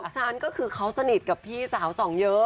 ฉันก็คือเขาสนิทกับพี่สาวสองเยอะ